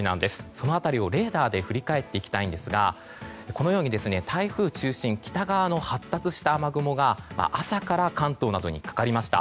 その辺りをレーダーで振り返っていきたいんですがこのように台風を中心に北側の発達した雨雲が朝から関東などにかかりました。